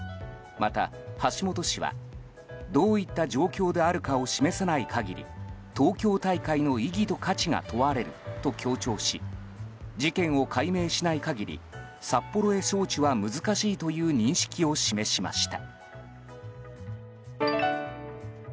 また、橋本氏はどういった状況であるかを示さない限り、東京大会の意義と価値が問われると強調し事件を解明しない限り札幌へ招致は難しいという認識を示しました。